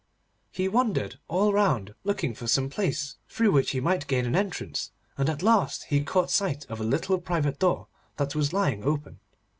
He wandered all round looking for some place through which he might gain an entrance, and at last he caught sight of a little private door that was lying open.